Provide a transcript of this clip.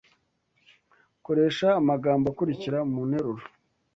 Koresha amagambo akurikira mu nteruro